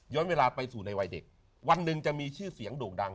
เวลาไปสู่ในวัยเด็กวันหนึ่งจะมีชื่อเสียงโด่งดัง